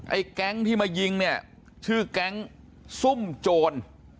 ไอ้แก๊งที่มายิงเนี่ยชื่อแก๊งซุ่มโจร